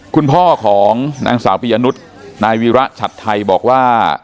คุณพ่อของนางสาวปียนุษย์นายวีระชัดไทยบอกว่า